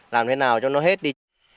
làm thế nào cho nó hết đi